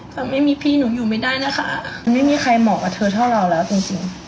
ถ้าไม่มีพี่หนูอยู่ไม่ได้นะคะมันไม่มีใครเหมาะกับเธอเท่าเราแล้วจริง